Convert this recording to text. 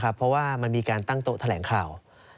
เพราะว่ามันมีการตั้งโต๊ะแถลงข่าว